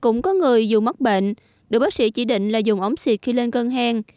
cũng có người dù mất bệnh được bác sĩ chỉ định là dùng ống xịt khi lên cơn hèn